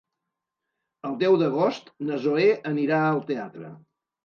El deu d'agost na Zoè anirà al teatre.